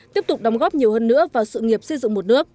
tiếp tục đóng góp nhiều hơn nữa vào sự nghiệp xây dựng một nước